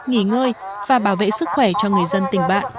nghỉ ngơi và bảo vệ sức khỏe cho người dân tỉnh bạn